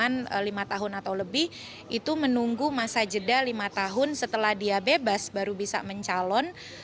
karena lima tahun atau lebih itu menunggu masa jeda lima tahun setelah dia bebas baru bisa mencalon